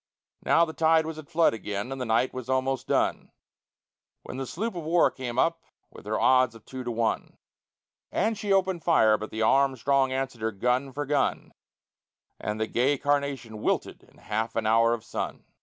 Now the tide was at flood again, and the night was almost done, When the sloop of war came up with her odds of two to one, And she opened fire; but the Armstrong answered her, gun for gun, And the gay Carnation wilted in half an hour of sun.